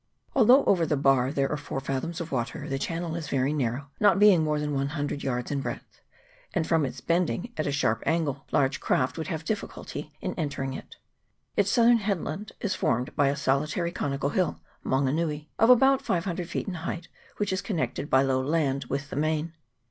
Although over the bar there are four fathoms water, the channel is very narrow, not being more than one hundred yards in breadth ; and from its bending at a sharp angle, large craft would have great difficulty in en tering it. Its southern headland is formed by a solitary conical hill, Maunga nui, of about five hundred feet in height, which is connected by low land with the main.